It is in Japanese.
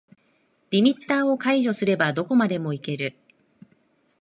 リミッターを解除すればどこまでもいける